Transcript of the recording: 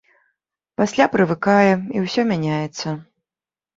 Пасля прывыкае, і ўсё мяняецца.